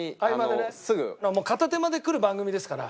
片手間で来る番組ですから。